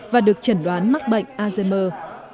và được chẩn đoán mắc bệnh alzheimer